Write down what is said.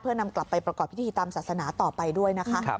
นำกลับไปประกอบพิธีตามศาสนาต่อไปด้วยนะคะ